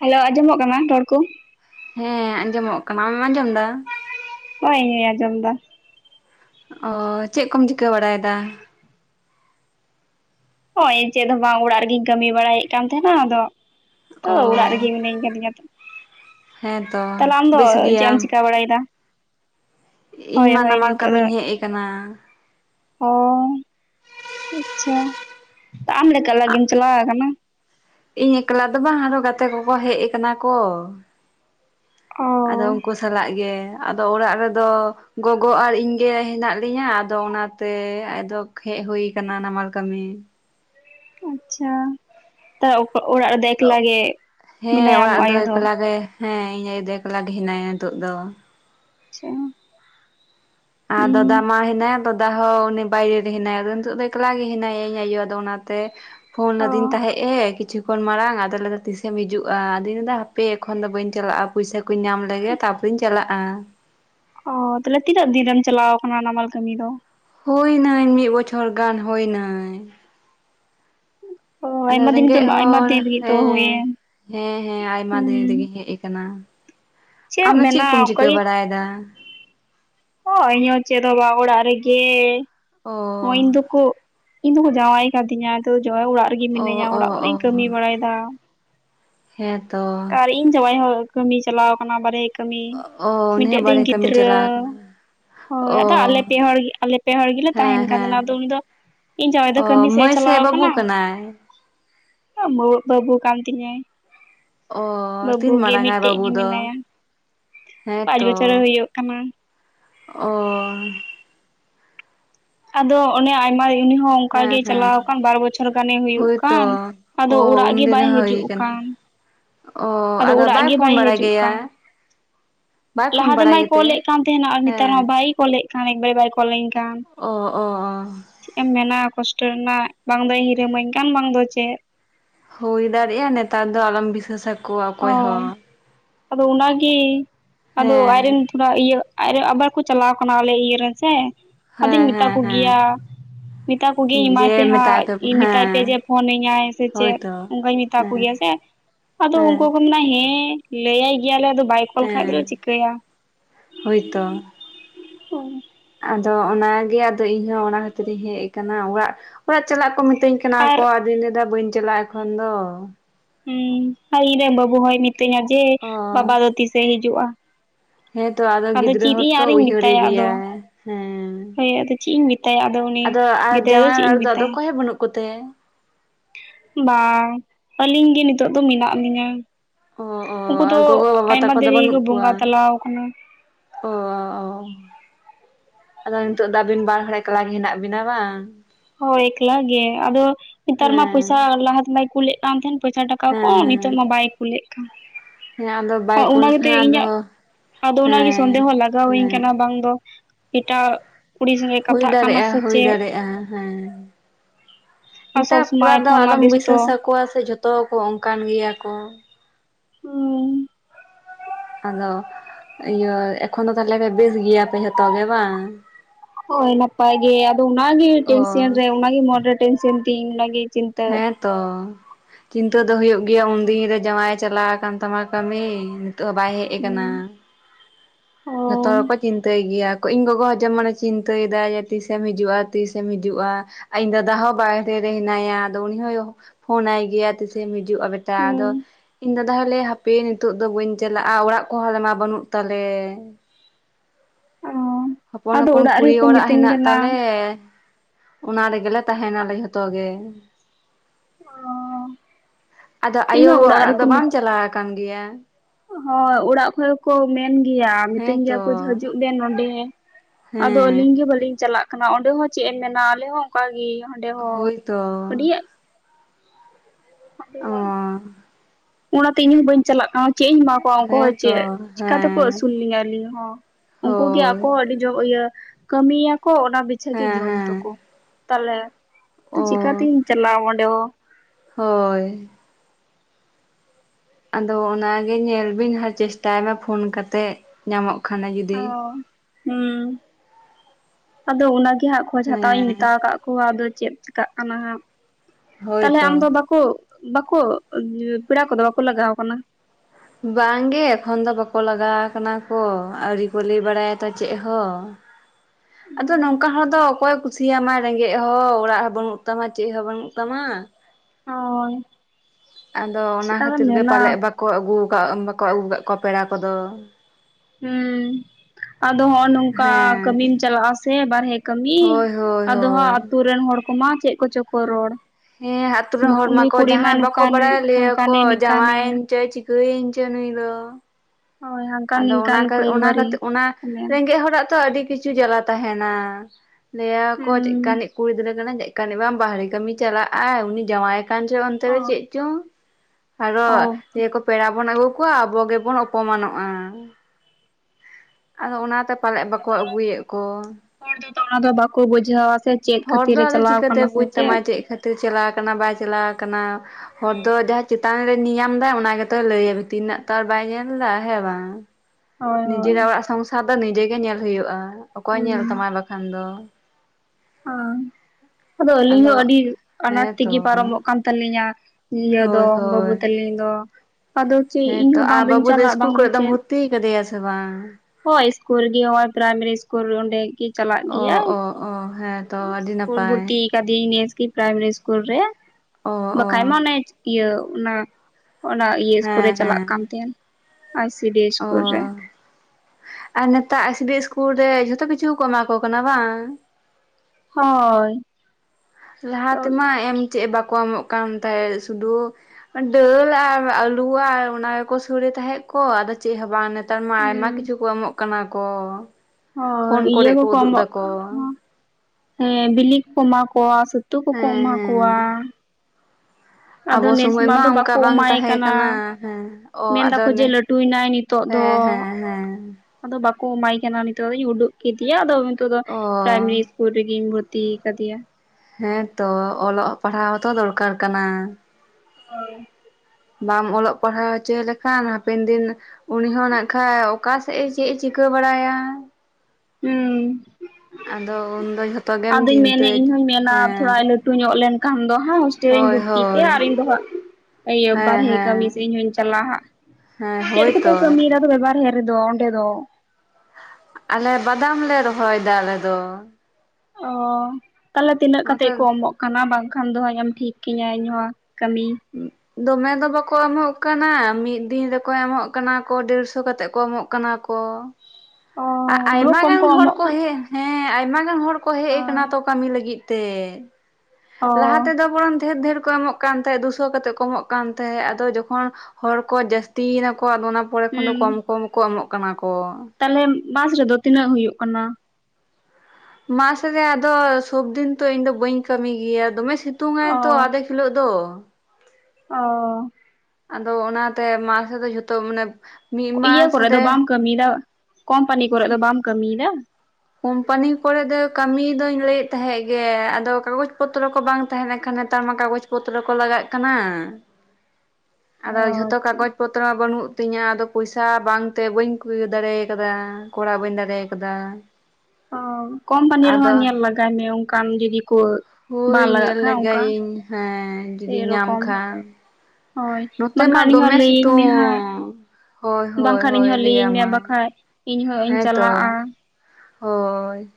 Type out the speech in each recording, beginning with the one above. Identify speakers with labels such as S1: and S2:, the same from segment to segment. S1: Hello ᱟᱸᱡᱚᱢᱚᱜ ᱠᱟᱱᱟ ᱨᱚᱲ ᱠᱚ?
S2: ᱦᱮᱸ ᱟᱸᱡᱚᱢᱚᱜ ᱠᱟᱱᱟ, ᱟᱢᱮᱢ ᱟᱸᱡᱚᱢ ᱫᱟ?
S1: ᱦᱚᱠᱚᱭ ᱤᱧ ᱦᱚᱞ ᱟᱸᱡᱚᱢ ᱫᱟ ᱾
S2: ᱚ ᱪᱮᱫ ᱠᱚᱢ ᱪᱤᱠᱟᱹ ᱵᱟᱲᱟᱭᱫᱟ?
S1: ᱦᱳᱭ ᱪᱮᱫ ᱦᱚᱸ ᱵᱟᱝ ᱚᱲᱟᱜ ᱨᱮᱜᱤᱧ ᱠᱟᱹᱢᱤ ᱵᱟᱲᱟᱭᱮᱫ ᱠᱟᱱ ᱛᱟᱦᱮᱱᱟ ᱟᱫᱚ ᱛᱚ
S2: ᱚ
S1: ᱚᱲᱟᱜ ᱨᱮᱜᱮ ᱢᱤᱱᱟᱹᱧ ᱠᱟᱱᱫᱤᱧᱟ ᱛᱚ
S2: ᱦᱮᱸᱛᱚ
S1: ᱾ ᱛᱟᱦᱚᱞᱮ ᱟᱢ ᱫᱚ
S2: ᱵᱮᱥ
S1: ᱪᱮᱫ
S2: ᱜᱮᱭᱟᱢ
S1: ᱮᱢ ᱪᱤᱠᱠᱟ ᱵᱟᱲᱟᱭᱫᱟ?
S2: ᱤᱧ ᱢᱟ ᱱᱟᱢᱟᱞ
S1: ᱱᱤᱛᱚᱜ ᱫᱚ
S2: ᱠᱟᱹᱢᱤᱧ ᱦᱮᱡ ᱠᱟᱱᱟ ᱾
S1: ᱚ ᱟᱪᱪᱷᱟ ᱛᱚ ᱟᱢ ᱞᱮᱠᱟ ᱜᱮᱢ ᱪᱟᱞᱟᱣ ᱠᱟᱱᱟ?
S2: ᱤᱧ ᱮᱠᱞᱟ ᱫᱚ ᱵᱟᱝ ᱟᱨᱚ ᱜᱟᱛᱮ ᱠᱚᱠᱚ ᱦᱮᱡ ᱠᱟᱱᱟ ᱠᱚ ᱾
S1: ᱚ
S2: ᱟᱫᱚ ᱩᱱᱠᱩ ᱥᱟᱞᱟᱜ ᱜᱮ ᱟᱫᱚ ᱚᱲᱟᱜ ᱨᱮᱫᱚ ᱜᱚᱜᱚ ᱟᱨ ᱤᱧᱜᱮ ᱦᱮᱱᱟᱜ ᱞᱤᱧᱟᱹ ᱟᱫᱚ ᱚᱱᱟᱛᱮ ᱟᱡᱫᱚ ᱦᱮᱡ ᱦᱳᱭ ᱠᱟᱱᱟ ᱱᱟᱢᱟᱞ ᱠᱟᱹᱢᱤ ᱾
S1: ᱟᱪᱪᱷᱟ ᱛ ᱚᱲᱟᱜ ᱨᱮᱫᱚ ᱮᱠᱞᱟ ᱜᱮ
S2: ᱦᱮᱸ
S1: ᱢᱮᱱᱟᱭᱟ ᱟᱢ
S2: ᱚᱲᱟᱜ ᱨᱮᱫᱚ
S1: ᱟᱭᱳ ᱫᱚ?
S2: ᱮᱠᱞᱟ ᱜᱮ ᱦᱮᱸ ᱤᱧ ᱟᱭᱳ ᱫᱚ ᱮᱠᱞᱟ ᱦᱮᱱᱟᱭᱟ ᱱᱤᱛᱚᱜ ᱫᱚ ᱾
S1: ᱟᱪᱪᱷᱟ
S2: ᱟᱨ
S1: ᱦᱩᱸ
S2: ᱫᱟᱫᱟ ᱢᱟ ᱦᱮᱱᱟᱭᱟ ᱫᱟᱫᱟ ᱦᱚᱸ ᱩᱱᱤ ᱵᱟᱭᱨᱮ ᱨᱮ ᱦᱮᱱᱟᱭᱟ ᱟᱫᱚ ᱱᱤᱛᱚᱜ ᱫᱚ ᱮᱠᱞᱟ ᱜᱮ ᱦᱮᱱᱟᱭᱟ ᱤᱧ ᱟᱭᱳ ᱟᱫᱚ ᱚᱱᱟᱛᱮ ᱾ ᱯᱷᱳᱱᱟ
S1: ᱚ
S2: ᱟᱹᱫᱤᱧ ᱛᱟᱦᱮᱸᱜ ᱮ ᱠᱤᱪᱷᱩ ᱠᱷᱚᱱ ᱢᱟᱲᱟᱝ ᱟᱫᱚ ᱞᱟᱹᱭᱟᱫᱟ ᱛᱤᱥᱮᱢ ᱦᱤᱡᱩᱜᱼᱟ? ᱟᱫᱚᱧᱢᱮᱱ ᱫᱟ ᱦᱟᱯᱮ ᱮᱠᱷᱚᱱ ᱫᱚ ᱵᱟᱹᱧ ᱪᱟᱞᱟᱜᱼᱟ ᱯᱩᱭᱥᱟ ᱠᱩᱧ ᱧᱟᱢ ᱞᱮᱜᱮ ᱛᱟᱯᱚᱨᱮᱧ ᱪᱟᱞᱟᱜᱼᱟ ᱾
S1: ᱚ ᱛᱟᱦᱚᱞᱮ ᱛᱤᱱᱟᱹᱜ ᱫᱤᱱ ᱨᱮᱢ ᱪᱟᱞᱟᱣ ᱠᱟᱱᱟ ᱱᱟᱢᱟᱞ ᱠᱟᱹᱢᱤ ᱫᱚ?
S2: ᱦᱩᱭᱱᱟᱹᱧ ᱢᱤᱫ ᱵᱚᱪᱷᱚᱨ ᱜᱟᱱ ᱦᱩᱭᱱᱟᱹᱧ ᱾
S1: ᱚ
S2: ᱟᱫᱚ
S1: ᱟᱭᱢᱟ ᱫᱤᱱ ᱫᱚ
S2: ᱨᱮᱸᱜᱮᱡ
S1: ᱟᱭᱢᱟ
S2: ᱦᱚᱲ
S1: ᱫᱤᱱ ᱨᱮᱜᱮ ᱛᱚ
S2: ᱦᱮᱸ
S1: ᱦᱩᱭᱮᱱ
S2: ᱾ ᱦᱮᱸ ᱦᱮᱸ ᱟᱭᱢᱟ
S1: ᱦᱩᱸ
S2: ᱫᱤᱱ ᱨᱮᱜᱮᱧ ᱦᱮᱡ ᱠᱟᱱᱟ ᱾ ᱟᱢ ᱫᱚ ᱪᱮᱫ
S1: ᱢᱮᱱᱟ
S2: ᱠᱚᱢ
S1: ᱚᱱᱠᱟ
S2: ᱪᱤᱠᱟᱹ
S1: ᱜᱮ
S2: ᱵᱟᱲᱟᱭᱫᱟ?
S1: ᱦᱳᱭ ᱤᱧ ᱦᱚ ᱪᱮᱫ ᱦᱚ ᱵᱟᱝ ᱚᱲᱟᱜ ᱨᱮᱜᱮ
S2: ᱚ
S1: ᱱᱚᱜ-ᱚᱭ ᱤᱧ ᱫᱚᱠᱚ ᱤᱧ ᱫᱚᱠᱚ ᱡᱟᱶᱟᱭ ᱠᱟᱫᱤᱧᱟ ᱟᱫᱚ ᱡᱟᱶᱟᱭ ᱚᱲᱟᱜ ᱨᱮᱜᱮ
S2: ᱚ
S1: ᱢᱤᱱᱟᱹᱧᱟ
S2: ᱚ
S1: ᱚᱲᱟᱜ
S2: ᱚ
S1: ᱠᱚᱨᱮᱧ ᱠᱟᱹᱢᱤ ᱵᱟᱲᱟᱭᱮᱫᱟ ᱾
S2: ᱦᱮᱸᱛᱚ
S1: ᱟᱨ ᱤᱧ ᱡᱟᱵᱟᱭ ᱦᱚᱸ ᱠᱟᱹᱢᱤ ᱪᱟᱞᱟᱣ ᱟᱠᱟᱱᱟ ᱵᱟᱨᱦᱮ ᱠᱟᱹᱢᱤ,
S2: ᱚ ᱩᱱᱤ
S1: ᱢᱤᱫᱴᱮᱡ
S2: ᱦᱚᱸ
S1: ᱛᱤᱧ
S2: ᱵᱟᱨᱦᱮ ᱠᱟᱹᱢᱤ
S1: ᱜᱤᱫᱽᱨᱟᱹ
S2: ᱪᱟᱞᱟᱣ
S1: ᱾
S2: ᱟᱠᱟᱱᱟ
S1: ᱦᱳᱭ
S2: ᱚ
S1: ᱟᱫᱚ ᱟᱞᱮ ᱯᱮ ᱦᱚᱲ ᱟᱞᱮ ᱯᱮ ᱦᱚᱲ ᱜᱮᱞᱮ ᱛᱟᱦᱮᱱ
S2: ᱦᱮᱸ
S1: ᱠᱟᱱ ᱛᱟᱦᱮᱱᱟ ᱟᱫᱚ
S2: ᱦᱮᱸ
S1: ᱩᱱ ᱫᱚ ᱤᱧ ᱡᱟᱶᱟᱭ ᱫᱚ
S2: ᱚ
S1: ᱠᱟᱹᱢᱤ ᱥᱮᱫ ᱮ
S2: ᱢᱟᱹᱭ ᱥᱮ
S1: ᱪᱟᱞᱟᱣ
S2: ᱵᱟᱹᱵᱩ
S1: ᱠᱟᱱᱟᱭ, ᱵᱟ ᱵᱟᱹᱵᱩ ᱠᱟᱱ ᱛᱤᱧᱟᱹᱭ ᱾
S2: ᱚᱻ ᱛᱤᱱ ᱢᱟᱨᱟᱝ ᱟᱭ
S1: ᱢᱤᱫᱴᱮᱡ
S2: ᱵᱟᱹᱵᱩ
S1: ᱜᱮ
S2: ᱫᱚ?
S1: ᱢᱮᱱᱟᱭᱟ ᱯᱟᱸᱪ
S2: ᱦᱮᱸᱛᱚ
S1: ᱵᱚᱪᱷᱚᱨᱮ ᱦᱩᱭᱩᱜ ᱠᱟᱱᱟ
S2: ᱚ
S1: ᱟᱫᱚ ᱚᱱᱮ ᱟᱡᱢᱟ ᱩᱱᱤ ᱦᱚᱸ
S2: ᱦᱮᱸ
S1: ᱚᱱᱠᱟᱜᱮ
S2: ᱦᱮᱸ
S1: ᱪᱟᱞᱟᱣ ᱠᱟᱱ ᱵᱟᱨ ᱵᱚᱪᱷᱚᱨ ᱜᱟᱱᱮ ᱦᱩᱭᱩᱜ
S2: ᱦᱳᱭᱛᱚ
S1: ᱠᱟᱱ ᱾ ᱟᱫᱚ
S2: ᱚ
S1: ᱚᱲᱟᱜ ᱜᱮ
S2: ᱩᱱᱫᱤᱱ
S1: ᱵᱟᱭ
S2: ᱦᱩᱭ
S1: ᱦᱤᱡᱩᱜ
S2: ᱠᱟᱱᱟ
S1: ᱠᱟᱱ ᱾
S2: ᱚ
S1: ᱟᱫᱚ ᱚᱲᱟᱜ ᱜᱮ
S2: ᱯᱷᱳᱱ
S1: ᱵᱟᱭ
S2: ᱵᱟᱲᱟᱭ
S1: ᱦᱤᱡᱩᱜ
S2: ᱜᱮᱭᱟ?
S1: ᱠᱟᱱ ᱾
S2: ᱵᱟᱭ
S1: ᱞᱟᱦᱟ
S2: ᱯᱷᱳᱱ
S1: ᱨᱮ
S2: ᱵᱟᱲᱟᱭ
S1: ᱢᱟᱭ
S2: ᱜᱮᱛᱮ
S1: ᱠᱚᱞᱮᱫ ᱠᱟᱱ ᱛᱟᱦᱮᱱᱟ ᱟᱨ ᱱᱮᱛᱟᱨ
S2: ᱦᱮᱸ
S1: ᱢᱟ ᱵᱟᱭ ᱠᱚᱞᱮᱫ ᱠᱟᱱ ᱮᱠᱵᱟᱨᱮ ᱵᱟᱭ ᱠᱚᱞᱤᱧ ᱠᱟᱱ
S2: ᱚ ᱚ ᱚ
S1: ᱾ ᱪᱮᱫ ᱮᱢ ᱢᱮᱱᱟ ᱠᱚᱥᱴᱚ ᱨᱮᱱᱟᱜ ᱵᱟᱝ ᱫᱚᱭ ᱦᱤᱨᱚᱢ ᱤᱧ ᱠᱟᱱᱟ ᱵᱟᱝ ᱫᱚ ᱪᱮᱫ ᱾
S2: ᱦᱩᱭ ᱫᱟᱨᱮᱭᱟᱜ-ᱟ ᱱᱮᱛᱟᱨ ᱫᱚ ᱟᱞᱚᱢ ᱵᱤᱥᱟᱥ ᱟᱠᱚ
S1: ᱦᱳᱭ ᱟᱫᱚ ᱚᱱᱟᱜᱤ ᱟᱫᱚ
S2: ᱦᱮᱸ
S1: ᱟᱭᱨᱮᱱ ᱛᱷ ᱤᱭᱟᱹ ᱟᱡ ᱨᱮᱱ ᱟᱵᱟ ᱠᱚ ᱪᱟᱞᱟᱣ ᱠᱟᱱᱟ ᱟᱞᱮ ᱤᱭᱮ ᱨᱮᱱ ᱥᱮ ᱟᱫᱚᱧ
S2: ᱦᱮᱸ
S1: ᱢᱮᱛᱟ
S2: ᱦᱮᱸ ᱦᱮᱸ
S1: ᱠᱚᱜᱮᱭᱟ ᱢᱮᱛᱟ ᱠᱚᱜᱤᱭᱟᱹᱧ ᱮᱢᱟᱭ
S2: ᱡᱮ
S1: ᱯᱮ ᱦᱟᱸᱜ
S2: ᱢᱮᱛᱟᱭ ᱯᱮ
S1: ᱤᱧ ᱢᱮᱛᱟᱭ ᱯᱮ
S2: ᱦᱮᱸ
S1: ᱡᱮ ᱯᱷᱳᱱ ᱤᱧᱟᱭ ᱥᱮ ᱪᱮᱫ
S2: ᱦᱳᱭᱛᱚ
S1: ᱚᱱᱠᱟᱧ ᱢᱮ ᱢᱮᱛᱟ ᱠᱚ
S2: ᱦᱮᱸ
S1: ᱜᱮᱭᱟ ᱥᱮ ᱟᱫᱚ
S2: ᱦᱮᱸ
S1: ᱩᱱᱠᱩ ᱠᱚ ᱢᱮᱱᱟ ᱦᱮᱸ ᱞᱟᱹᱭᱟᱭ ᱜᱮᱭᱟᱞᱮ ᱟᱫᱚ ᱵᱟᱭᱼᱼ
S2: ᱦᱮᱸ ᱦᱳᱭᱛᱚᱼᱼ
S1: ᱚ
S2: ᱟᱫᱚ ᱚᱱᱟ ᱜᱮ ᱟᱫᱚ ᱤᱧᱦᱚᱸ ᱚᱱᱟ ᱠᱷᱟᱹᱛᱤᱨ ᱤᱧ ᱦᱮᱡ ᱟᱠᱟᱱᱟ ᱚᱲᱟᱜ ᱚᱲᱟᱜ ᱪᱟᱞᱟᱜ ᱠᱚᱼᱼ ᱢᱤᱛᱟᱧ ᱠᱟᱱᱟ
S1: ᱟᱨ
S2: ᱠᱚ ᱟᱫᱚᱧ ᱞᱟᱹᱭ ᱮᱫᱟ ᱵᱟᱹᱧ ᱪᱟᱞᱟᱜᱼᱟ ᱮᱠᱷᱚᱱ ᱫᱚᱼᱼ
S1: ᱦᱩᱸ ᱟᱨ ᱤᱧ ᱨᱮᱱ ᱵᱟᱹᱵᱩ ᱦᱚᱭ ᱢᱤᱛᱟᱹᱧᱟ ᱡᱮ
S2: ᱚ
S1: ᱵᱟᱵᱟ ᱫᱚ ᱛᱤᱥᱮ ᱦᱤᱡᱩᱜᱼᱟ
S2: [unintelligible] ᱦᱮᱸᱛᱚ ᱟᱫᱚ ᱜᱤᱫᱽᱨᱟᱹ
S1: ᱪᱮᱫ
S2: ᱦᱚᱲ
S1: ᱤᱧ
S2: ᱛᱚ
S1: ᱟᱨᱤᱧ
S2: ᱩᱭᱦᱟᱹᱨᱮ
S1: ᱢᱮᱛᱟᱭᱟ ᱟᱫᱚ
S2: ᱜᱮᱭᱟᱭ ᱦᱮᱸᱼᱼ
S1: ᱦᱳᱭ ᱟᱫᱚ ᱪᱮᱫ ᱤᱧ ᱢᱮᱛᱟᱭᱟ ᱩᱱᱤ
S2: ᱟᱫᱚ ᱟᱨ
S1: ᱜᱤᱫᱽᱨᱟᱹ
S2: ᱡᱟᱶᱟᱭ
S1: ᱪᱮᱫ
S2: ᱚᱲᱟᱜ
S1: ᱤᱧ
S2: ᱨᱮ ᱫᱚ ᱟᱫᱚ
S1: ᱢᱮᱛᱟᱭᱟ
S2: ᱚᱠᱚᱭ ᱦᱚᱸ ᱵᱟᱹᱱᱩᱜ ᱠᱚ ᱛᱮᱼᱼ
S1: ᱵᱟᱝ ᱟᱹᱞᱤᱧ ᱜᱮ ᱱᱤᱛᱚᱜ ᱫᱚ ᱢᱮᱱᱟᱜ ᱞᱤᱧᱟᱹ
S2: ᱚ ᱚ
S1: ᱩᱱᱠᱩ
S2: ᱟᱨ
S1: ᱫᱚ
S2: ᱜᱚᱜᱚ ᱵᱟᱵᱟ
S1: ᱟᱭᱢᱟ
S2: ᱛᱟᱠᱚ ᱫᱚ
S1: ᱫᱤᱱ ᱨᱮᱜᱤ
S2: ᱵᱟᱹᱱᱩᱜ
S1: ᱠᱚ
S2: ᱠᱚᱣᱟ
S1: ᱵᱚᱸᱜᱟ ᱛᱟᱞᱟᱣ ᱟᱠᱟᱱᱟ
S2: ᱚ ᱚ ᱟᱫᱚ ᱱᱤᱛᱚᱜ ᱫᱚ ᱟᱹᱵᱤᱱ ᱵᱟᱨ ᱦᱚᱲ ᱮᱠᱞᱟ ᱜᱮ ᱦᱮᱱᱟᱜ ᱵᱤᱱᱟ ᱵᱟᱝᱼᱼ
S1: ᱦᱳᱭ ᱮᱠᱞᱟ ᱜᱮ ᱟᱫᱚ ᱱᱮᱛᱟᱨ ᱢᱟ
S2: ᱦᱮᱸ
S1: ᱯᱚᱭᱥᱟ ᱞᱟᱦᱟ ᱛᱮ ᱢᱟᱭ ᱠᱩᱞᱮᱫ ᱠᱟᱱ ᱛᱟᱦᱮᱸᱱ ᱯᱚᱭᱥᱟ ᱴᱟᱠᱟᱼᱼ ᱠᱟ ᱠᱚ
S2: ᱦᱮᱸ ᱦᱮᱸ
S1: ᱱᱤᱛᱚᱜ ᱢᱟ ᱵᱟᱭ ᱠᱩᱞᱮᱫ ᱠᱟᱱ
S2: ᱦᱮᱸ ᱟᱫᱚ ᱵᱟᱭ
S1: ᱚᱱᱟ
S2: ᱠᱩᱞ
S1: ᱜᱮᱛᱚ
S2: ᱠᱷᱟᱱ ᱟᱫᱚᱼᱼ
S1: ᱤᱧᱟᱹᱜ ᱟᱫᱚ ᱚᱱᱟ ᱜᱮ ᱥᱚᱱᱫᱮ ᱦᱚᱸ ᱞᱟᱜᱟᱣ ᱤᱧ ᱠᱟᱱᱟ ᱵᱟᱝ ᱫᱚ ᱮᱴᱟᱜᱼᱼ
S2: ᱦᱩᱭ ᱫᱟᱲᱮᱭᱟᱜᱼᱟ ᱦᱩᱭ ᱫᱟᱲᱮᱭᱟᱜᱼᱟ ᱦᱮᱸ
S1: ᱟᱨ ᱥᱚᱵᱽ
S2: ᱱᱮᱛᱟᱨ ᱠᱚᱲᱟ
S1: ᱥᱚᱢᱚᱭ
S2: ᱫᱚ
S1: ᱯᱷᱳᱱ ᱢᱟ
S2: ᱟᱞᱚᱢ
S1: ᱵᱮᱥᱛᱚ
S2: ᱵᱤᱥᱥᱟᱥ ᱟᱠᱚᱣᱟ ᱥᱮ ᱡᱷᱚᱛᱚ ᱠᱚ ᱚᱱᱠᱟᱱ ᱜᱮᱭᱟ ᱠᱚ
S1: ᱦᱩᱸ
S2: ᱟᱫᱚ ᱤᱭᱟᱹ ᱮᱠᱷᱚᱱ ᱫᱚ ᱛᱟᱦᱚᱞᱮ ᱯᱮ ᱵᱤᱨ ᱜᱮᱭᱟ ᱯᱮ ᱡᱷᱚᱛᱚ ᱜᱮ ᱵᱟᱝᱼᱼ
S1: ᱦᱳᱭ ᱱᱟᱯᱟᱭ ᱜᱮ ᱟᱫᱚ ᱚᱱᱟ ᱜᱮ
S2: ᱚ
S1: ᱴᱮᱱᱥᱚᱱ ᱨᱮ ᱚᱱᱟ ᱜᱮ [unintelligible] ᱴᱮᱱᱥᱮᱱ ᱛᱤᱧ ᱚᱱᱟ ᱜᱮ ᱪᱤᱱᱼᱼ
S2: ᱦᱮᱸ ᱛᱚ ᱪᱤᱱᱛᱟᱹ ᱫᱚ ᱦᱩᱭᱩᱜ ᱜᱮᱭᱟ ᱩᱱᱫᱤᱱ ᱨᱮ ᱡᱟᱶᱟᱭ ᱮ ᱪᱟᱞᱟᱣ ᱟᱠᱟᱱ ᱛᱟᱢᱟ ᱠᱟᱹᱢᱤᱼᱼ ᱱᱤᱛᱚᱜ ᱦᱚᱸ ᱵᱟᱭ ᱦᱮᱡ ᱟᱠᱟᱱᱟ
S1: ᱦᱩᱸ ᱚ
S2: ᱡᱷᱚᱛᱚ ᱦᱚᱲ ᱠᱚ ᱪᱤᱱᱛᱟᱹᱭ ᱜᱮᱭᱟ ᱤᱧ ᱜᱚᱜᱚ ᱦᱚᱸ ᱡᱮᱢᱚᱱᱮ ᱪᱤᱱᱛᱟᱹᱭ ᱮᱫᱟ ᱡᱮ ᱛᱤᱥᱮᱢ ᱦᱤᱡᱩᱜᱼᱟ ᱛᱤᱥᱮᱢ ᱦᱤᱡᱩᱜᱼᱟ ᱟᱨ ᱤᱧ ᱫᱟᱫᱟ ᱦᱚᱸ ᱵᱟᱦᱨᱮ ᱨᱮ ᱦᱮᱱᱟᱭᱟ ᱟᱫᱚ ᱩᱱᱤ ᱦᱳᱭ ᱯᱷᱳᱱ ᱟᱭ ᱜᱮᱭᱟ [unintelligible] [unintelligible] ᱢᱤᱡᱩᱜ ᱟ ᱵᱮᱴᱟ
S1: ᱦᱩᱸ
S2: ᱟᱫᱚ ᱤᱧ ᱫᱚᱼᱼ ᱛᱟᱦᱚᱞᱮ ᱦᱟᱯᱮ ᱱᱤᱛᱚᱜ ᱫᱚ ᱵᱟᱹᱧ ᱪᱟᱞᱟᱜᱼᱟ ᱚᱲᱟᱜ ᱠᱚ ᱦᱚᱸ ᱟᱞᱮ ᱢᱟ ᱵᱟᱹᱱᱩᱜ ᱛᱟᱞᱮᱼᱼ
S1: ᱚ
S2: ᱦᱚᱯᱚᱱ
S1: ᱟᱫᱚ
S2: ᱦᱚᱯᱚᱱ
S1: ᱨᱮᱠᱚ
S2: ᱠᱩᱲᱤᱭᱟᱹ ᱚᱲᱟᱜ
S1: ᱢᱤᱛᱟᱹᱧ
S2: ᱦᱮᱱᱟᱜ
S1: ᱠᱟᱱᱟ
S2: ᱛᱟᱞᱮᱼᱼ ᱚᱱᱟ ᱨᱮᱜᱮ ᱞᱮ ᱛᱟᱦᱮᱱᱟᱞᱮ ᱡᱷᱚᱛᱚ ᱜᱮᱼᱼ ᱟᱫᱚ
S1: ᱤᱧ ᱦᱚᱸ
S2: ᱟᱭᱳ-ᱵᱟᱵᱟ ᱚᱲᱟᱜ ᱫᱚ
S1: ᱨᱮᱠᱚ
S2: ᱵᱟᱢ
S1: ᱢᱤᱛ
S2: ᱪᱟᱞᱟᱣ ᱟᱠᱟᱱ ᱜᱮᱭᱟ
S1: ᱦᱳᱭ ᱚᱲᱟᱜ ᱠᱷᱚᱡ ᱦᱚᱸ ᱠᱚ ᱢᱮᱱ ᱜᱮᱭᱟ ᱢᱤᱛᱟᱹᱧ
S2: ᱦᱮᱸᱛᱚ
S1: ᱜᱮᱭᱟ ᱠᱚ ᱦᱤᱡᱩᱜ ᱵᱮᱱ ᱱᱚᱸᱰᱮ ᱟᱫᱚ ᱟᱹᱞᱤᱧ
S2: ᱦᱮᱸ
S1: ᱜᱮ ᱵᱟᱹᱞᱤᱧ ᱪᱟᱞᱟᱜ ᱠᱟᱱᱟ ᱚᱸᱰᱮ ᱦᱚᱸ ᱪᱮᱫ ᱮᱢ ᱢᱮᱱᱟ ᱟᱞᱮ ᱦᱚᱸ ᱚᱱᱠᱟ ᱜᱮ ᱚᱸᱰᱮ ᱦᱚᱸ
S2: ᱦᱳᱭᱛᱚ
S1: ᱟᱹᱰᱤᱼᱼ ᱟᱫᱚ
S2: ᱚ
S1: ᱵᱟᱝ ᱚᱱᱟ ᱛᱮ ᱤᱧ ᱦᱚᱸ ᱵᱟᱹᱧ ᱪᱟᱞᱟᱜ ᱠᱟᱱᱟ ᱪᱮᱫ ᱤᱧ ᱮᱢᱟ ᱠᱚᱣᱟ ᱩᱱᱠᱩ ᱦᱚᱸ
S2: ᱦᱮᱸᱛᱚ
S1: ᱪᱮᱫ ᱪᱮᱠᱟ ᱛᱮᱠᱚ
S2: ᱦᱮᱸ
S1: ᱟᱹᱥᱩᱞ ᱞᱤᱧᱟ ᱟᱹᱞᱤᱧ ᱦᱚᱸ ᱩᱱᱠᱩ ᱜᱮ ᱟᱠᱚ
S2: ᱦᱳᱭ
S1: ᱦᱚᱸ ᱟᱹᱰᱤᱼᱼ ᱤᱭᱟᱹ ᱠᱟᱹᱢᱤᱭ ᱟᱠᱚ ᱚᱱᱟ ᱵᱤᱪᱷᱟᱹ ᱜᱮ
S2: ᱦᱮᱸ
S1: ᱡᱚᱢ ᱛᱟᱠᱚ
S2: ᱦᱮᱸ
S1: ᱛᱟᱦᱚᱞᱮᱼᱼ ᱛᱚ
S2: ᱚ
S1: ᱪᱮᱠᱟᱛᱤᱧ ᱪᱟᱞᱟᱜᱼᱟ ᱚᱸᱰᱮ ᱦᱚᱸᱼᱼ
S2: ᱦᱳᱭ ᱟᱫᱚ ᱚᱱᱟ ᱜᱮ ᱧᱮᱞ ᱵᱤᱱ ᱦᱟᱨ ᱪᱮᱥᱴᱟᱭ ᱢᱟ ᱯᱷᱳᱱ ᱠᱟᱛᱮᱜ ᱧᱟᱢᱚᱜ ᱠᱷᱟᱱᱮ ᱡᱩᱫᱤ
S1: ᱦᱮᱸ ᱟᱫᱚ ᱚᱱᱟ ᱜᱮᱼᱼ ᱦᱟᱸᱜ ᱠᱷᱚᱡᱽ ᱦᱟᱛᱟᱣ ᱤᱧ
S2: ᱦᱮᱸ
S1: ᱢᱮᱛᱟᱣ ᱟᱠᱟᱫ ᱠᱚᱣᱟ ᱟᱫᱚ ᱪᱮᱫ ᱪᱮᱠᱟᱹᱜ ᱠᱟᱱᱟ ᱦᱟᱸᱜ ᱛᱟᱦᱞᱮ
S2: ᱦᱳᱭᱛᱚ
S1: ᱟᱢ ᱫᱚ ᱵᱟᱠᱚ, ᱵᱟᱠᱚ ᱯᱮᱲᱟ ᱠᱚᱫᱚ ᱵᱟᱠᱚ ᱞᱟᱜᱟᱣ ᱟᱠᱟᱱᱟ ᱾
S2: ᱵᱟᱝ ᱜᱮ ᱮᱠᱷᱚᱱ ᱫᱚ ᱵᱟᱠᱚ ᱞᱟᱜᱟᱣ ᱣᱟᱠᱟᱱᱟ ᱠᱚ ᱟᱹᱣᱨᱤ ᱠᱚ ᱞᱟᱹᱭ ᱵᱟᱲᱟᱭᱟ ᱛᱚ ᱪᱮᱜ ᱦᱚᱸ ᱾ ᱟᱫᱚ ᱱᱚᱝᱠᱟ ᱦᱚᱲ ᱫᱚ ᱚᱠᱚᱭ ᱠᱩᱥᱤᱭᱟᱢᱟᱭ ᱨᱮᱸᱜᱮᱡ ᱦᱚᱸ ᱚᱲᱟᱜ ᱦᱚᱸ ᱵᱟᱹᱱᱩᱜ ᱛᱟᱢᱟ ᱪᱮᱫ ᱦᱚᱸ ᱵᱟᱹᱱᱩᱜ ᱛᱟᱢᱟ
S1: ᱦᱳᱭ
S2: ᱾ ᱟᱫᱚ ᱚᱱᱟ
S1: ᱪᱮᱫ ᱟᱫᱚᱢ
S2: ᱠᱷᱟᱹᱛᱤᱨ ᱜᱮ
S1: ᱢᱮᱱᱟ
S2: ᱯᱟᱞᱮᱫ ᱵᱟᱠ ᱠᱚ ᱟᱹᱜᱩ ᱟᱠᱟᱜ, ᱵᱟᱠᱚ ᱟᱹᱜᱩ ᱟᱠᱟᱜ ᱠᱚᱣᱟ ᱯᱮᱲᱟ ᱠᱚᱫᱚ ᱾
S1: ᱦᱩᱸ ᱟᱫᱚ ᱦᱚᱜ ᱱᱚᱝᱠᱟ
S2: ᱦᱮᱸ
S1: ᱠᱟᱹᱢᱤᱢ ᱪᱟᱞᱟᱜᱼᱟ ᱥᱮ ᱵᱟᱨᱦᱮ ᱠᱟᱹᱢᱤ,
S2: ᱦᱳᱭ ᱦᱳᱭ
S1: ᱟᱫᱚ ᱦᱟᱸᱜ
S2: ᱦᱳᱭ
S1: ᱟᱹᱛᱩ ᱨᱮᱱ ᱦᱚᱲ ᱠᱚᱢᱟ ᱪᱮᱫ ᱠᱚᱪᱚ ᱠᱚ ᱨᱚᱲ,
S2: ᱦᱮᱸ ᱟᱹᱛᱩ ᱨᱮᱱ ᱦᱚᱲ
S1: ᱱᱩᱭ
S2: ᱢᱟᱠᱚ
S1: ᱠᱩᱲᱤ ᱢᱟᱭ
S2: ᱡᱟᱦᱟᱸᱭ ᱵᱟᱠᱚ
S1: ᱱᱚᱝᱠᱟ ᱱᱩᱭ
S2: ᱵᱟᱲᱟᱭᱟ ᱞᱟᱹᱭᱟᱠᱚ
S1: ᱦᱟᱝᱠᱟᱱᱮ ᱱᱤᱝᱠᱟᱱᱮ
S2: ᱡᱟᱶᱟᱭ ᱮᱱᱪᱚᱭ ᱪᱤᱠᱟᱹ ᱠᱟᱹᱭ ᱮᱱᱪᱚᱭ ᱱᱩᱭ ᱫᱚ ᱾
S1: ᱦᱳᱭ ᱦᱟᱝᱠᱟ
S2: ᱟᱫᱚ ᱚᱱᱟ
S1: ᱱᱤᱝᱠᱟᱱ ᱠᱚ
S2: ᱠᱟᱜ ᱚᱱᱟ
S1: ᱮᱠᱵᱟᱨᱮ
S2: ᱠᱟᱛᱮ ᱚᱱᱟ
S1: ᱠᱚ ᱢᱮᱱ
S2: ᱨᱮᱸᱜᱮᱡ ᱦᱚᱲᱟᱜ ᱛᱚ ᱟᱹᱰᱤ ᱠᱤᱪᱷᱩ ᱡᱟᱞᱟ ᱛᱟᱦᱮᱸᱱᱟ ᱾ ᱞᱟᱹᱭᱟᱠᱚ
S1: ᱦᱩᱸ
S2: ᱪᱮᱜ ᱠᱟᱱᱤᱡ ᱠᱩᱲᱤ ᱜᱤᱫᱽᱨᱟᱹ ᱠᱟᱱᱟᱭ ᱪᱮᱫᱠᱟᱱᱤᱡ ᱵᱟᱝ ᱵᱟᱦᱨᱮ ᱠᱟᱹᱢᱤ ᱪᱟᱞᱟᱜᱼᱟᱭ ᱩᱱᱤ ᱡᱟᱶᱟᱭ ᱠᱟᱱ ᱪᱚᱭ ᱚᱱᱛᱮ ᱨᱮ
S1: ᱦᱳᱭ
S2: ᱪᱮᱫ ᱪᱚᱝ ᱟᱨᱚ
S1: ᱦᱳᱭ
S2: ᱞᱮᱹᱭᱟ ᱠᱚ ᱯᱮᱲᱟ ᱵᱚᱱ ᱟᱹᱜᱩ ᱠᱚᱣᱟ ᱟᱵᱚ ᱜᱮᱵᱚᱱ ᱚᱯᱚᱢᱟᱱᱚᱜ ᱟᱫᱚ ᱚᱱᱟ ᱛᱮ ᱯᱟᱞᱮᱜ ᱵᱟᱠᱚ
S1: ᱟᱫᱚ
S2: ᱟᱹᱜᱩᱭᱮᱜ ᱠᱚ ᱾
S1: ᱦᱚᱲ ᱫᱚ ᱛᱚ ᱚᱱᱟ ᱫᱚ ᱵᱟᱠᱚ ᱵᱩᱡᱷᱟᱹᱣᱟ ᱥᱮ ᱪᱮᱫ ᱠᱷᱟᱹᱛᱤᱨᱮ ᱪᱟᱞᱟᱣ ᱟᱠᱟᱱᱟ ᱥᱮ ᱪᱮᱫ ᱾
S2: ᱛᱮ ᱪᱟᱞᱟᱣ ᱠᱟᱱᱟ ᱵᱟᱭ ᱪᱟᱞᱟᱣ ᱠᱟᱱᱟ ᱾ ᱦᱚᱲ ᱫᱚ ᱡᱟᱦᱟᱸ ᱪᱮᱛᱟᱱ ᱨᱮ ᱧᱮᱧᱟᱢ ᱫᱟᱭ ᱚᱱᱟ ᱜᱮᱛᱚᱭ ᱞᱟᱹᱭᱟ ᱵᱷᱤᱛᱤᱨ ᱨᱮᱱᱟᱜ ᱛᱚ ᱟᱨ ᱵᱟᱭ ᱧᱮᱞ ᱮᱫᱟ ᱦᱮᱸ ᱵᱟᱝ ᱾
S1: ᱦᱳᱭ᱾ ᱦᱳᱭ
S2: ᱱᱤᱡᱮᱨᱟᱜ ᱚᱲᱟᱜ ᱥᱚᱝᱥᱟᱨ ᱫᱚ ᱱᱤᱡᱮ ᱜᱮ ᱧᱮᱞ ᱦᱩᱭᱩᱜᱼᱟ ᱚᱠᱚᱭ ᱧᱮᱞ
S1: ᱦᱩᱸ
S2: ᱛᱟᱢᱟᱭ ᱵᱟᱠᱷᱟᱱ ᱫᱚ ᱾
S1: ᱚ ᱟᱫᱚ ᱟᱹᱞᱤᱧ ᱦᱚᱸ ᱟᱹᱰᱤ ᱟᱱᱟᱴ
S2: ᱦᱮᱸᱛᱚ
S1: ᱛᱮᱜᱮ ᱯᱟᱨᱚᱢᱚᱜ ᱠᱟᱱ ᱛᱟᱹᱞᱤᱧᱟ ᱤᱭᱟᱹ ᱫᱚ
S2: ᱦᱳᱭ
S1: ᱵᱟᱹᱵᱩ
S2: ᱦᱳᱭ
S1: ᱛᱟᱹᱞᱤᱧ ᱫᱚ, ᱟᱫᱚ ᱪᱮᱫ ᱤᱧ ᱦᱚᱸ ᱵᱟᱝ ᱫᱩᱧ ᱪᱟᱞᱟᱜ ᱵᱟᱝ ᱫᱚ ᱪᱮᱫ ᱾
S2: ᱛᱤᱭ ᱠᱟᱫᱮᱭᱟ ᱥᱮ ᱵᱟᱝ?
S1: ᱦᱚᱭ ᱤᱥᱠᱩᱞ ᱨᱮᱜᱮ ᱦᱚᱜ-ᱚᱭ ᱯᱨᱟᱭᱢᱟᱨᱤ ᱤᱥᱠᱩᱞ ᱨᱮ ᱚᱸᱰᱮ ᱜᱤ
S2: ᱚ ᱚ ᱚ ᱦᱮᱸ ᱛᱚ ᱟᱹᱰᱤ
S1: ᱤᱥᱠᱩᱞ
S2: ᱱᱟᱯᱟᱭ ᱾
S1: ᱵᱷᱚᱨᱛᱤ ᱠᱟᱫᱤᱭᱟᱹᱧ ᱱᱮᱥ ᱜᱤ ᱯᱨᱟᱭᱢᱟᱨᱤ ᱤᱥᱠᱩᱞ ᱨᱮ ᱾
S2: ᱚ ᱚ ᱾
S1: ᱵᱟᱠᱷᱟᱡ ᱢᱟ ᱚᱱᱮ ᱤᱭᱟᱹ ᱚᱱᱟ ᱚᱱᱟ ᱤᱭᱟᱹ ᱤᱥᱠᱩᱞ
S2: ᱦᱮᱸ
S1: ᱨᱮ ᱪᱟᱞᱟᱜ
S2: ᱦᱮᱸ
S1: ᱠᱟᱱ ᱛᱟᱦᱮᱸᱱ ᱟᱭ ᱥᱤ ᱰᱤ ᱾
S2: ᱚ, ᱟᱨ ᱱᱮᱛᱟᱨ ᱟᱭ ᱥᱤ ᱰᱤ ᱤᱥᱠᱩᱞ ᱨᱮ ᱡᱷᱚᱛᱚ ᱠᱤᱪᱷᱩ ᱠᱚ ᱮᱢᱟ ᱠᱚ ᱠᱟᱱᱟ ᱵᱟᱝ ᱾
S1: ᱦᱚᱭ ᱾
S2: ᱞᱟᱦᱟ ᱛᱮᱢᱟ ᱮᱢ ᱪᱮᱫ ᱵᱟᱠᱚ ᱮᱢᱚᱜ ᱠᱟᱱ ᱛᱟᱦᱮᱸᱫ ᱥᱩᱫᱩ ᱰᱟᱹᱞ ᱟᱨ ᱟᱞᱩ ᱟᱨ ᱚᱱᱟ ᱜᱮᱠᱚ ᱥᱟᱲᱮ ᱛᱟᱦᱮᱸᱜ ᱠᱚ ᱟᱫᱚ ᱪᱮᱫ ᱦᱚᱸ ᱵᱟᱝ ᱱᱮ ᱛᱟᱨ ᱢᱟ
S1: ᱦᱩᱸ
S2: ᱟᱭᱢᱟ ᱠᱤᱪᱷᱩ ᱠᱚ ᱮᱢᱚᱜ ᱠᱟᱱᱟ ᱠᱚ ᱾
S1: ᱦᱚᱭ ᱤᱭᱟᱹ ᱠᱚᱠᱚ ᱮᱢᱚᱜ ᱦᱚᱸ, ᱦᱮ ᱵᱤᱞᱤ ᱠᱚᱠᱚ ᱮᱢᱟ ᱠᱚᱣᱟ ᱾ ᱛᱩ ᱠᱚᱠᱚ
S2: ᱦᱮᱸ
S1: ᱮᱢᱟ
S2: ᱦᱮᱸ
S1: ᱠᱚᱣᱟ ᱾
S2: [inaudible] ᱟᱵᱚ ᱥᱚᱢᱚᱭ ᱢᱟ
S1: ᱟᱫᱚ
S2: ᱚᱝᱠᱟ
S1: ᱵᱟᱠᱚ
S2: ᱵᱟᱝ
S1: ᱮᱢᱟᱭ
S2: ᱛᱟᱦᱮᱸ ᱠᱟᱱᱟ ᱦᱮᱸ ᱚ
S1: ᱢᱮᱱ
S2: ᱟᱫᱚ
S1: ᱫᱟᱠᱚ
S2: ᱚᱱᱮ
S1: ᱡᱮ ᱞᱟᱹᱴᱩᱭᱮᱱᱟᱭ ᱱᱤᱛᱚᱜ ᱫᱚ
S2: ᱦᱮᱸ ᱦᱮᱸ ᱦᱮᱸ ᱾
S1: ᱟᱫᱚ ᱵᱟᱠᱚ ᱮᱢᱟᱭ ᱠᱟᱱᱟ ᱱᱤᱛᱚᱜ ᱫᱩᱧ ᱩᱰᱩᱜ ᱠᱮᱫᱮᱭᱟ ᱟᱫᱚ ᱱᱤᱛᱚᱜ ᱫᱚ
S2: ᱚ
S1: ᱯᱨᱟᱭᱢᱟᱨᱤ ᱤᱥ ᱠᱩᱞ ᱨᱤᱜᱤᱧ ᱵᱷᱩᱨᱛᱤ ᱭᱟᱠᱟ ᱫᱮᱭᱟ᱾
S2: ᱦᱮᱸᱛᱚ ᱚᱞᱚᱜ ᱯᱟᱲᱦᱟᱣ ᱦᱚᱸᱛᱚ ᱫᱚᱨᱠᱟᱨ ᱠᱟᱱᱟ᱾
S1: ᱦᱚᱭ ᱾
S2: ᱵᱟᱢ ᱚᱞᱚᱜ ᱯᱟᱲᱦᱟᱣ ᱦᱚᱪᱚᱭ ᱞᱮᱠᱷᱟᱱ ᱦᱟᱯᱮᱱ ᱫᱤᱱ ᱩᱱᱤ ᱦᱚᱸ ᱱᱟᱠᱷᱟᱡ ᱚᱠᱟ ᱥᱮᱜ ᱮ ᱪᱮᱫ ᱮ ᱪᱤᱠᱟᱹ ᱵᱟᱲᱟᱭᱟ?
S1: ᱦᱩᱸ
S2: ᱟᱫᱚ ᱩᱱᱫᱚ ᱡᱷᱚᱛᱚ ᱜᱮᱢ
S1: ᱟᱫᱚᱧ ᱢᱮᱱᱮᱫ
S2: ᱪᱤᱱᱛᱟᱹᱭᱮᱫ
S1: ᱤᱧ ᱦᱚᱧ ᱢᱮᱱᱟ
S2: ᱦᱮᱸ ᱾
S1: ᱛᱷᱚᱲᱟᱭ ᱞᱟᱹᱴᱩ ᱧᱚᱜ ᱞᱮᱱᱠᱷᱟᱱ ᱫᱚ ᱦᱟᱸ ᱯᱩᱴᱷᱟᱹᱣᱧ ᱵᱷᱩᱨᱛᱤ
S2: ᱦᱳᱭ
S1: ᱠᱮᱭᱟ ᱟᱨ ᱤᱧ ᱫᱚ ᱦᱟᱸᱜ ᱤᱭᱟᱹ
S2: ᱦᱮᱸ
S1: ᱵᱟᱨᱦᱮ
S2: ᱦᱮᱸ
S1: ᱠᱟᱹᱢᱤ ᱥᱮᱨᱮᱧ ᱦᱚᱧ ᱪᱟᱞᱟᱜ ᱦᱟᱸᱜ
S2: ᱦᱮᱸ
S1: ᱪᱮᱫ ᱠᱚᱯᱮ
S2: ᱦᱳᱭᱛᱚ
S1: ᱠᱟᱹᱢᱤᱭᱮ ᱫᱟ ᱵᱟᱦᱨᱮ ᱨᱮᱫᱚ ᱚᱸᱰᱮ ᱫᱚ?
S2: ᱟᱞᱮ ᱵᱟᱫᱟᱢ ᱞᱮ ᱨᱚᱦᱚᱭᱮᱫᱟ ᱟᱞᱮ ᱫᱚ᱾
S1: ᱚᱻ ᱛᱟᱦᱚᱞᱮ ᱛᱤᱱᱟᱹᱜ ᱠᱟᱛᱮ
S2: ᱱᱚᱛᱮ
S1: ᱠᱚ ᱮᱢᱚᱜ ᱠᱟᱱᱟ ᱵᱟᱝᱠᱷᱟᱱ ᱫᱚ ᱟᱢᱮᱢ ᱴᱷᱤᱠ ᱠᱤᱧᱟᱹ ᱤᱧ ᱦᱚᱸ ᱠᱟᱹᱢᱤ᱾
S2: ᱩᱸᱜ ᱫᱚᱢᱮ ᱫᱚ ᱵᱟᱠᱚ ᱮᱢᱚᱜ ᱠᱟᱱᱟ, ᱢᱤᱫ ᱫᱤᱱ ᱨᱮᱠᱚ ᱮᱢᱚᱜ ᱠᱟᱱᱟ ᱠᱚ ᱰᱮᱲᱥᱚ ᱠᱟᱛᱮ ᱠᱚ ᱮᱢᱚᱜ ᱠᱟᱱᱟ ᱠᱚ᱾
S1: ᱚ
S2: ᱟᱨ
S1: ᱩᱱᱟᱹᱜ
S2: ᱟᱭᱢᱟ
S1: ᱠᱚᱢ
S2: ᱜᱟᱱ ᱦᱚᱲ
S1: ᱮᱢᱚᱜ
S2: ᱠᱚ
S1: ᱠᱟᱱᱟ
S2: ᱦᱮᱡ ᱦᱮᱸ ᱟᱭᱢᱟ ᱜᱟᱱ ᱦᱚᱲ ᱠᱚ ᱦᱮᱡ ᱠᱟᱱᱟ ᱛᱚ ᱠᱟᱹᱢᱤ ᱞᱟᱹᱜᱤᱫ ᱛᱮ,
S1: ᱚ
S2: ᱞᱟᱦᱟ ᱛᱮᱫᱚ ᱵᱚᱨᱚᱱ ᱰᱷᱮᱨ ᱰᱷᱮᱨ ᱠᱚ ᱮᱢᱚᱜ ᱠᱟᱱ ᱛᱟᱦᱮᱸᱜ ᱫᱩᱥᱚ ᱠᱟᱛᱮᱫ ᱠᱚᱢᱚᱜ ᱠᱟᱱ ᱛᱟᱦᱮᱸᱜ, ᱟᱫᱚ ᱡᱚᱠᱷᱚᱱ ᱦᱚᱲ ᱠᱚ ᱡᱟᱹᱥᱛᱤ ᱭᱮᱱᱟ ᱠᱚ ᱟᱫᱚ ᱚᱱᱟ ᱠᱚᱨᱮ ᱠᱷᱚᱱ ᱫᱚ ᱠᱚᱢ ᱠᱚᱢ ᱠᱚ ᱮᱢᱚᱜ ᱠᱟᱱᱟ ᱠᱚ᱾
S1: ᱛᱟᱞᱚᱞᱮ ᱢᱟᱥ ᱨᱮᱫᱚ ᱛᱤᱱᱟᱹᱜ ᱦᱩᱭᱩᱜ ᱠᱟᱱᱟ?
S2: ᱢᱟᱥ ᱨᱮ ᱟᱫᱚ ᱥᱚᱵᱫᱤᱱ ᱛᱚ ᱤᱧ ᱫᱚ ᱵᱟᱹᱧ ᱠᱟᱹᱢᱤ ᱜᱮᱭᱟ, ᱫᱚᱢᱮ ᱥᱤᱛᱩᱝ ᱟᱭ
S1: ᱚ
S2: ᱛᱚ ᱟᱫᱮᱜ ᱦᱤᱞᱳᱜ ᱫᱚ᱾
S1: ᱚ᱾
S2: ᱟᱫᱚ ᱚᱱᱟᱛᱮ ᱢᱟᱥ ᱨᱮ ᱡᱷᱚᱛᱚ ᱢᱟᱱᱮ ᱢᱤᱫ
S1: ᱤᱭᱟᱹ
S2: ᱢᱟᱥ
S1: ᱠᱚᱨᱮ ᱫᱚ
S2: ᱨᱮ
S1: ᱵᱟᱢ ᱠᱟᱹᱢᱤᱭᱫᱟ ᱠᱚᱢᱯᱟᱱᱤ ᱠᱚᱨᱮ ᱫᱚ ᱵᱟᱢ ᱠᱟᱹᱢᱤᱭᱫᱟ?
S2: ᱠᱳᱢᱯᱟᱱᱤ ᱠᱚᱨᱮ ᱫᱚ ᱠᱟᱹᱢᱤ ᱫᱚᱧ ᱞᱟᱹᱭᱮᱫ ᱛᱟᱦᱮᱸᱜ ᱜᱮ ᱟᱫᱚ ᱠᱟᱜᱚᱡ ᱯᱚᱛᱨᱚ ᱠᱚ ᱵᱟᱝ ᱛᱟᱦᱮᱸᱱᱟ ᱞᱮᱱᱠᱷᱟᱱ ᱱᱮᱛᱟᱨ ᱢᱟ ᱠᱟᱜᱚᱡ ᱯᱚᱛᱨᱚ ᱠᱚ ᱞᱟᱜᱟᱜ ᱠᱟᱱᱟ,
S1: ᱚ
S2: ᱟᱫᱚ ᱡᱷᱚᱛᱚ
S1: ᱟᱪᱪᱷᱟ
S2: ᱠᱟᱜᱚᱡ ᱯᱚᱛᱨ ᱢᱟ ᱵᱟᱹᱱᱩᱜ ᱛᱤᱧᱟᱹ ᱟᱫᱚ ᱯᱚᱭᱥᱟ ᱵᱟᱝ ᱛᱮ ᱵᱟᱹᱧ ᱠᱤ ᱫᱟᱲᱮ ᱠᱟᱫᱟ ᱠᱚᱨᱟᱣ ᱵᱟᱹᱧ ᱫᱟᱲᱮ ᱠᱟᱫᱟ᱾
S1: ᱚ ᱠᱚᱢᱯᱟᱱᱤ ᱨᱮᱦᱚᱸ
S2: ᱟᱫᱚ
S1: ᱧᱮᱞ ᱞᱟᱜᱟᱭ ᱢᱮ ᱚᱱᱠᱟᱱ ᱡᱩᱫᱤ ᱠᱚ
S2: ᱦᱳᱭ
S1: ᱵᱟᱝ ᱞᱟᱜᱟᱜ
S2: ᱧᱮᱞ
S1: ᱠᱷᱟᱱ ᱚᱱᱠᱟ
S2: ᱞᱮᱜᱟᱭᱤᱧ ᱦᱮᱸ ᱡᱩᱫᱤ ᱧᱟᱢ
S1: ᱥᱮᱨᱚᱠᱚᱢ
S2: ᱠᱷᱟᱱ᱾
S1: ᱦᱳᱭ
S2: ᱱᱚᱛᱮ ᱢᱟ
S1: ᱵᱟᱝᱠᱷᱟᱱ ᱤᱧᱦᱚᱸ
S2: ᱫᱚᱢᱮ
S1: ᱞᱟᱹᱭᱟᱹᱧ ᱢᱮ ᱦᱟᱸᱜ᱾
S2: ᱥᱤᱛᱩᱝ ᱦᱳᱭ ᱦᱳᱭ
S1: ᱵᱟᱝᱠᱷᱟᱱ
S2: ᱦᱳᱭ
S1: ᱤᱧᱦᱚᱸ ᱞᱟᱹᱭᱟᱹᱧ ᱢᱮ
S2: ᱞᱟᱹᱭᱟᱢᱟᱭ
S1: ᱵᱟᱠᱷᱟᱡ ᱤᱧ ᱦᱚᱸᱧ
S2: ᱦᱮᱸᱛᱚ
S1: ᱪᱟᱞᱟᱜᱼᱟ᱾
S2: ᱦᱳᱭ᱾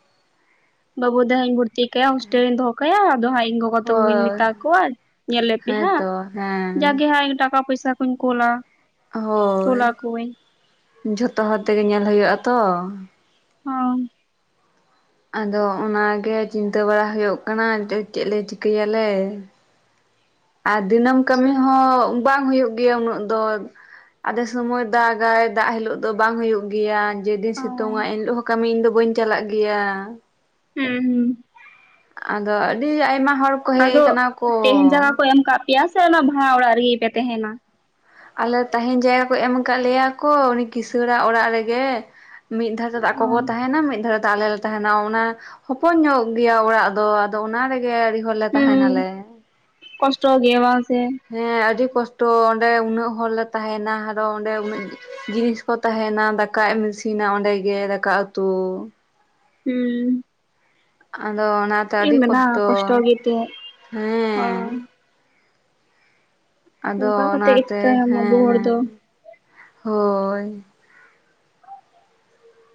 S1: ᱵᱟᱵᱩ ᱫᱚ ᱦᱮᱧ ᱵᱷᱩᱨ ᱵᱷᱤᱛᱨᱤ ᱠᱟᱭᱟ ᱦᱳᱥᱴᱮᱞ ᱨᱤᱧ ᱫᱚᱦᱚ ᱠᱟᱭᱟ ᱟᱫᱚ ᱦᱟᱸᱜ ᱤᱧ ᱜᱚᱜᱚ ᱛᱟᱠᱚᱜᱤᱧ
S2: ᱦᱳᱭ
S1: ᱢᱮᱛᱟ ᱠᱚᱣᱟ ᱧᱮᱞ ᱞᱮᱯᱮ ᱦᱟᱸᱜ᱾
S2: ᱦᱮᱸᱛᱚ ᱦᱮᱸ
S1: ᱡᱟᱜᱮ ᱦᱟᱸᱜ ᱤᱧ ᱴᱟᱠᱟ ᱯᱚᱭᱥᱟ ᱠᱩᱧ ᱠᱳᱞᱟ᱾ ᱠᱳᱞ
S2: ᱦᱳᱭ
S1: ᱟᱠᱚᱣᱟᱹᱧ
S2: ᱡᱷᱚᱛᱚ ᱦᱚᱲ ᱛᱮᱜᱮ ᱧᱮᱞ ᱦᱩᱭᱩᱜᱼᱟ ᱛᱚ᱾
S1: ᱦᱚᱸ᱾
S2: ᱟᱫᱚ ᱚᱱᱟᱜᱮ ᱪᱤᱱᱛᱟᱹ ᱵᱟᱲᱟ ᱦᱩᱭᱩᱜ ᱠᱟᱱᱟ ᱡᱮ ᱪᱮᱫ ᱞᱮ ᱪᱤᱠᱟᱹᱭᱟ ᱞᱮ᱾ ᱟᱨ ᱫᱤᱱᱟᱹᱢ ᱠᱟᱹᱢᱤ ᱦᱚᱸ ᱵᱟᱝ ᱦᱩᱭᱩᱜ ᱜᱮᱭᱟ ᱩᱱᱟᱹᱜ ᱫᱚ ᱟᱫᱷᱮ ᱥᱚᱢᱚᱭ ᱫᱟᱜᱟᱭ ᱫᱟᱜ ᱦᱤᱞᱳᱜ ᱫᱚ ᱵᱟᱝ ᱦᱩᱭᱩᱜ ᱜᱤᱭᱟ᱾ ᱡᱮᱫᱤᱱ
S1: ᱚ
S2: ᱥᱤᱛᱩᱝᱼᱟ
S1: ᱦᱩᱸ
S2: ᱮᱱᱦᱤᱞᱳᱜ ᱦᱚᱸ ᱠᱟᱹᱢᱤ ᱤᱧ ᱫᱚ ᱵᱟᱹᱧ ᱪᱟᱞᱟᱜ ᱜᱮᱭᱟ᱾
S1: ᱦᱮᱸ ᱦᱩᱸ᱾
S2: ᱟᱫᱚ ᱟᱹᱰᱤ ᱟᱭᱢᱟ ᱦᱚᱲ ᱠᱚ ᱦᱮᱡ
S1: ᱟᱫᱚ
S2: ᱟᱠᱟᱱᱟ ᱠᱚ
S1: ᱛᱮᱦᱮᱱ ᱡᱟᱭᱜᱟ ᱠᱚ ᱮᱢ ᱟᱠᱟᱜ ᱯᱮᱭᱟ ᱥᱮ ᱚᱱᱟ ᱵᱷᱟᱲᱟ ᱚᱲᱟᱜ ᱨᱮᱜᱮ ᱯᱮ ᱛᱮᱦᱮᱱᱟ?
S2: ᱟᱞᱮ ᱛᱟᱦᱮᱸᱱ ᱡᱟᱭᱜᱟ ᱠᱚ ᱮᱢ ᱠᱟᱫ ᱞᱮᱭᱟ ᱠᱚ ᱩᱱᱤ ᱠᱤᱥᱟᱹᱬᱟ ᱚᱲᱟᱜ ᱨᱮᱜᱮ᱾ ᱢᱤᱫ ᱫᱷᱟᱨᱮ ᱫᱚ ᱟᱠᱚ ᱠᱚ ᱛᱟᱦᱮᱱᱟ ᱢᱤᱫ ᱫᱷᱟᱨᱮ ᱟᱞᱮ ᱞᱮ ᱛᱟᱦᱮᱱᱟ ᱚᱱᱟ ᱦᱚᱯᱚᱱ ᱧᱚᱜ ᱜᱮᱭᱟ ᱚᱲᱟᱜ ᱫᱚ ᱟᱫᱚ ᱚᱱᱟ ᱨᱮᱜᱮ ᱦᱚᱲ ᱞᱮ
S1: ᱦᱩᱸ
S2: ᱛᱟᱦᱮᱸᱱᱟᱞᱮ᱾
S1: ᱠᱚᱥᱴᱚ ᱜᱮᱭᱟ ᱵᱟᱝ ᱥᱮ?
S2: ᱦᱮᱸ ᱟᱹᱰᱤ ᱠᱚᱥᱴᱚ ᱚᱸᱰᱮ ᱩᱱᱟᱹᱜ ᱦᱚᱲᱞᱮ ᱛᱟᱦᱮᱸᱱᱟ ᱟᱨᱚ ᱚᱸᱰᱮ ᱩᱱᱟᱹᱜ ᱡᱤᱱᱤᱥ ᱠᱚ ᱛᱟᱦᱮᱸᱱᱟ ᱫᱟᱠᱟ ᱮᱢ ᱤᱥᱤᱱᱟ ᱚᱸᱰᱮᱜᱮ ᱫᱟᱠᱟ ᱩᱛᱩ᱾
S1: ᱦᱩᱸ
S2: ᱟᱫᱚ ᱚᱱᱟᱛᱮ
S1: ᱪᱮᱫ ᱮᱢ
S2: ᱟᱹᱰᱤ
S1: ᱢᱮᱱᱟ
S2: ᱠᱚᱥᱴᱚ,
S1: ᱜᱮᱛᱚ
S2: ᱦᱮᱸᱼᱼ
S1: ᱦᱳᱭ
S2: ᱟᱫᱚ
S1: ᱚᱱᱠᱟ ᱠᱟᱛᱮᱜ ᱜᱮ
S2: ᱚᱱᱟᱛᱮ,
S1: ᱪᱤᱠᱟᱭᱟᱢ ᱟᱵᱚ
S2: ᱦᱮᱸ
S1: ᱦᱚᱲ ᱫᱚ
S2: ᱦᱮᱸ ᱦᱳᱭ ᱾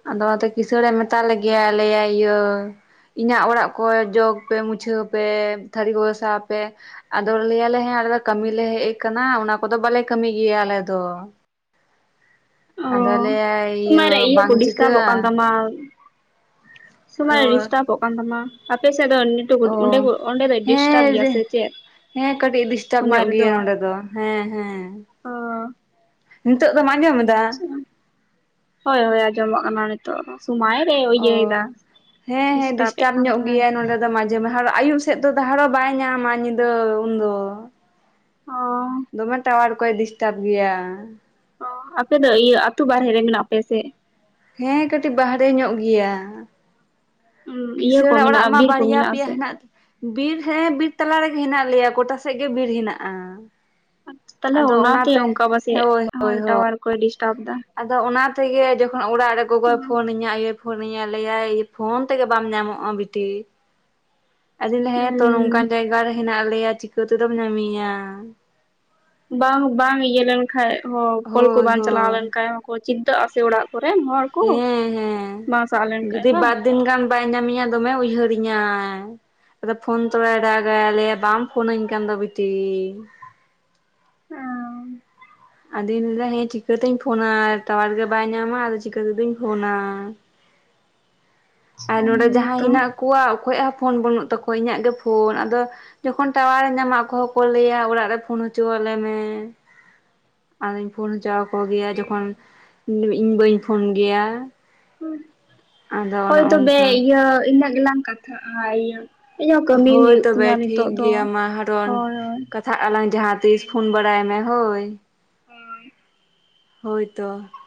S2: ᱟᱫᱚ ᱚᱱᱟᱛᱮ ᱠᱤᱥᱟᱹᱬᱮ ᱢᱮᱛᱟ ᱞᱮᱜᱮᱭᱟ, ᱞᱟᱹᱭᱟᱭ ᱤᱭᱟᱹᱼᱼ ᱤᱧᱟᱹᱜ ᱚᱲᱟᱜ ᱠᱚᱨᱮ ᱡᱚᱜᱽ ᱯᱮ, ᱢᱩᱪᱷᱟᱹᱣ ᱯᱮ, ᱛᱷᱟᱹᱨᱤ ᱠᱚ ᱜᱟᱥᱟᱣ ᱯᱮ ᱾ ᱟᱫᱚ ᱞᱟᱹᱭᱭᱟᱞᱮ ᱦᱮ ᱟᱞᱮ ᱫᱚ ᱠᱟᱹᱢᱤᱞᱮ ᱦᱮᱡ ᱠᱟᱱᱟ ᱚᱱᱟ ᱠᱚᱫᱚ ᱵᱟᱞᱮ ᱠᱟᱹᱢᱤ ᱜᱮᱭᱟ ᱟᱞᱮ ᱫᱚ
S1: ᱚ
S2: ᱾ ᱟᱫᱚ ᱞᱟᱹᱭᱟᱭ
S1: ᱥᱚᱢᱚᱭ
S2: ᱤᱭᱟᱹ
S1: ᱨᱮ
S2: ᱵᱟᱝ
S1: ᱠᱚ
S2: ᱪᱤᱠᱼᱼ
S1: ᱰᱤᱥᱴᱟᱵᱚᱜ ᱠᱟᱱ ᱛᱟᱢᱟ, ᱥᱚᱢᱚᱭ ᱰᱤᱥᱴᱟᱵᱚᱜ ᱠᱟᱱ ᱛᱟᱢᱟ, ᱟᱯᱮ ᱥᱮᱫ ᱫᱚ ᱤᱼᱼ
S2: ᱚ ᱦᱮᱸ,
S1: ᱪᱮᱫ?
S2: ᱦᱮᱸ ᱠᱟᱹᱴᱤᱡ ᱰᱤᱥᱴᱟᱵᱽ
S1: ᱥᱚᱢᱚᱭ
S2: ᱧᱚᱜ ᱜᱮᱭᱟ
S1: ᱨᱮᱫᱚ
S2: ᱱᱚᱸᱰᱮ ᱫᱚ ᱾ ᱦᱮᱸ ᱦᱮᱸ,
S1: ᱚ
S2: ᱱᱤᱛᱚᱜ ᱫᱚᱢ ᱟᱸᱡᱚᱢ ᱮᱫᱟ?
S1: ᱦᱚᱭ ᱦᱚᱭ ᱟᱸᱡᱚᱢᱚᱜ ᱠᱟᱱᱟ ᱱᱤᱛᱼᱼ ᱛᱚ ᱥᱚᱢᱟᱭ ᱨᱮ ᱤᱭᱟᱹᱭᱮᱫᱟ,
S2: ᱚ
S1: ᱰᱤᱥᱴᱟᱯᱮᱜ ᱠᱟᱱ ᱛᱟᱢᱟᱭ ᱾
S2: ᱡᱮ ᱞᱟᱦᱟᱨᱮ ᱟᱭᱩᱵ ᱥᱮᱫ ᱫᱚ ᱴᱟᱣᱟᱨᱚ ᱵᱟᱭ ᱧᱟᱢᱟ ᱧᱤᱫᱟᱹ ᱩᱱᱫᱚᱼᱼ
S1: ᱚ
S2: ᱫᱚᱢᱮ ᱴᱟᱣᱟᱨ ᱠᱚᱭ ᱰᱤᱥᱴᱟᱵᱽ ᱜᱮᱭᱟ ᱾
S1: ᱚ ᱟᱯᱮ ᱫᱚ ᱤᱭᱟᱹ ᱟᱹᱛᱩ ᱵᱟᱨᱦᱮ ᱨᱮ ᱢᱮᱱᱟᱜ ᱯᱮᱭᱟ ᱥᱮ?
S2: ᱦᱮᱸ ᱠᱟᱹᱴᱤᱡ ᱵᱟᱦᱨᱮ ᱧᱚᱜ ᱜᱮᱭᱟ ᱾
S1: ᱤᱭᱟᱹ ᱠᱚ
S2: ᱠᱤᱥᱟᱹᱬᱟᱜ ᱚᱲᱟᱜ
S1: ᱢᱮᱱᱟᱜᱼᱟ
S2: ᱢᱟ
S1: ᱵᱤᱨ ᱠᱚ
S2: ᱵᱟᱨᱭᱟ
S1: ᱢᱮᱱᱟᱜᱼᱟ
S2: ᱯᱮᱭᱟ
S1: ᱥᱮ?
S2: ᱦᱮᱱᱟᱜᱼᱼ ᱵᱤᱨ ᱦᱮᱸ ᱵᱤᱨ ᱛᱟᱞᱟ ᱨᱮᱜᱮ ᱢᱮᱱᱟᱜ ᱞᱮᱭᱟ, ᱜᱚᱴᱟ ᱥᱮᱫ ᱜᱮ ᱵᱤᱨ ᱢᱮᱱᱟᱜᱼᱟ ᱾
S1: ᱛᱟᱦᱞᱮ ᱚᱱᱟᱛᱮ ᱚᱱᱠᱟ ᱯᱟᱥᱮᱡ
S2: ᱦᱳᱭ ᱦᱳᱭ ᱦᱳᱭ
S1: ᱴᱟᱣᱟᱨ ᱠᱚᱭ ᱰᱤᱥᱴᱟᱵᱽ ᱮᱫᱟ ᱾
S2: ᱟᱫᱚ ᱚᱱᱟ ᱛᱮᱜᱮ ᱡᱚᱠᱷᱚᱱ ᱚᱲᱟᱜ ᱨᱮ ᱜᱚᱜᱚᱭ ᱯᱷᱳᱱᱟᱹᱧᱟ, ᱟᱭᱳᱭ ᱯᱷᱳᱱᱟᱹᱧᱟ ᱞᱟᱹᱭᱟᱭᱼᱺ ᱯᱷᱳᱱ ᱛᱮᱜᱮ ᱵᱟᱢ ᱧᱟᱢᱚᱜᱼᱟ ᱵᱤᱴᱤ ᱾ ᱟᱫᱩᱧ ᱞᱟᱹᱭᱟᱭᱟ ᱛᱚ
S1: ᱦᱩᱸ
S2: ᱱᱚᱝᱠᱟᱱ ᱡᱟᱭᱜᱟ ᱨᱮ ᱦᱮᱱᱟᱜ ᱞᱮᱭᱟ ᱪᱤᱠᱟᱹ ᱛᱮᱫᱚᱢ ᱧᱟᱢᱤᱧᱟ ᱾
S1: ᱵᱟᱝ ᱵᱟᱝ ᱤᱭᱟᱹ ᱞᱮᱱᱠᱟᱡ ᱦᱚᱸ ᱠᱚᱞ ᱠᱚ
S2: ᱦᱳᱭ
S1: ᱵᱟᱝ ᱪᱟᱞᱟᱣ
S2: ᱦᱳᱭ
S1: ᱞᱮᱱᱠᱷᱟᱡ ᱦᱚᱸᱠᱚ ᱪᱤᱱᱛᱟᱹᱜᱼᱟ ᱥᱮ ᱚᱲᱟᱜᱼᱼ
S2: ᱦᱮᱸ ᱦᱮᱸ,
S1: ᱥᱟᱦ ᱞᱮᱱᱠᱷᱟᱡ
S2: ᱡᱩᱫᱤ
S1: ᱵᱟᱝ?
S2: ᱵᱟᱨ ᱫᱤᱱ ᱜᱟᱱᱼᱼ ᱵᱟᱭ ᱧᱟᱢᱤᱧᱟ ᱫᱚᱢᱮ ᱩᱭᱦᱟᱹᱨᱤᱧᱟᱭ ᱾ ᱟᱫᱚ ᱯᱷᱳᱱ ᱛᱚᱲᱟ ᱫᱟᱜᱟᱭ ᱞᱟᱹᱭᱟᱭ ᱵᱟᱢ ᱯᱷᱳᱱᱟᱹᱧ ᱠᱟᱱ ᱫᱚ ᱵᱤᱴᱤ ᱾
S1: ᱚ [unintelligible]
S2: ᱟᱫᱩᱧ ᱞᱟᱹᱭᱟᱭᱟ ᱪᱤᱠᱟᱹᱛᱤᱧ ᱯᱷᱳᱱᱟ, ᱴᱟᱣᱟᱨ ᱜᱮ ᱵᱟᱭ ᱧᱟᱢᱟ ᱟᱫᱚ ᱪᱤᱠᱟᱹ ᱞᱮᱠᱟᱛᱤᱧ ᱯᱷᱳᱱᱟ ᱾
S1: ᱟᱪᱪᱷᱟ
S2: ᱟᱨ ᱱᱚᱸᱰᱮ
S1: ᱦᱮᱸ
S2: ᱡᱟᱦᱟᱸᱭ
S1: ᱛᱚ᱾
S2: ᱦᱮᱱᱟᱜ ᱠᱚᱣᱟ ᱚᱠᱚᱭᱟᱜ ᱦᱚᱸ ᱯᱷᱳᱱ ᱵᱟᱹᱱᱩᱜ ᱼᱼ ᱛᱚᱠᱚ ᱤᱧᱟᱹᱜ ᱜᱮ ᱯᱷᱳᱱ ᱟᱫᱚᱼᱼ ᱡᱚᱠᱷᱚᱱ ᱴᱟᱣᱟᱨᱮ ᱧᱟᱢᱟ ᱟᱠᱚᱦᱚᱸ ᱠᱚ ᱞᱟᱹᱭᱟ ᱚᱲᱟᱜ ᱨᱮ ᱯᱷᱳᱱ ᱦᱚᱪᱚ ᱟᱞᱮ ᱢᱮ ᱾ ᱟᱫᱚᱧ ᱯᱷᱳᱱ ᱦᱚᱪᱚ ᱟᱠᱚᱜᱮᱭᱟ, ᱡᱚᱠᱷᱚᱱ ᱤᱧ ᱵᱟᱹᱧ ᱯᱷᱳᱱ ᱜᱮᱭᱟ ᱾
S1: ᱦᱳᱭ ᱛᱚᱵᱮ
S2: ᱚᱱᱠᱟ
S1: ᱤᱭᱟᱹ ᱤᱱᱟᱹᱜ ᱜᱮᱞᱟᱝ ᱠᱟᱛᱷᱟᱜᱼᱟ ᱤᱭᱟᱹᱼᱼ
S2: ᱦᱳᱭ ᱛᱚᱵᱮ ᱴᱷᱤᱠ ᱜᱮᱭᱟ ᱢᱟ ᱦᱟᱨᱚᱱ,
S1: ᱦᱳᱭ ᱦᱳᱭ᱾
S2: ᱠᱟᱛᱷᱟᱜ ᱟᱞᱟᱝ ᱡᱟᱦᱟᱸ ᱛᱤᱥ ᱯᱷᱳᱱ ᱵᱟᱲᱟᱼᱼ ᱵᱟᱲᱟᱭ ᱢᱮ ᱦᱳᱭ ᱾
S1: ᱦᱳᱭ
S2: ᱦᱳᱭ ᱛᱚ ᱾